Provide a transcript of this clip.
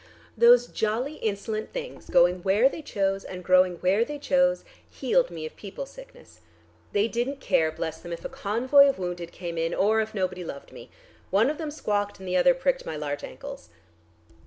Those jolly insolent things, going where they chose and growing where they chose healed me of people sickness. They didn't care, bless them, if a convoy of wounded came in, or if nobody loved me. One of them squawked, and the other pricked my large ankles."